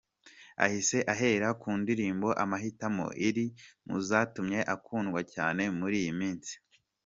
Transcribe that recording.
Ahise ahera ku ndirimbo ’Amahitamo’ iri mu zatumye akundwa cyane muri iyi minsi.